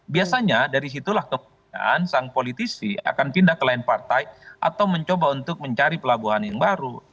biasanya dari situlah kemudian sang politisi akan pindah ke lain partai atau mencoba untuk mencari pelabuhan yang baru